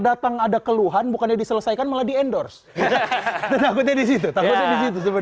datang ada keluhan bukannya diselesaikan meladi endorse hahaha aku jadi situ